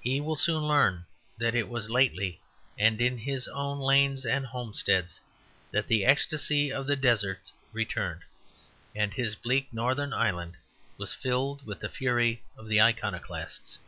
He will soon learn that it was lately, and in his own lanes and homesteads, that the ecstasy of the deserts returned, and his bleak northern island was filled with the fury of the Iconoclasts.